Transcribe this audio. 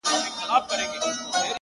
o زه به دي تل په ياد کي وساتمه ـ